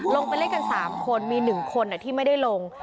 ลงไปเล่นกัน๓คนมี๑คนที่ไม่ได้ลง